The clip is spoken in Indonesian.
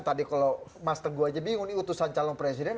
tadi kalau mas teguh aja bingung ini utusan calon presiden